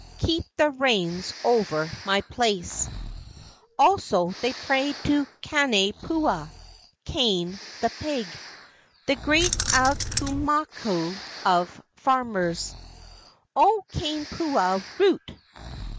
keep the rains over my place]." Also they prayed to Kane puaa (Kane, the pig), the great aumakua of farmers: '' O Kane puaa, root!